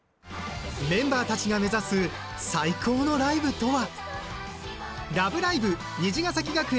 メンバーたちが目指す最高のライブとは。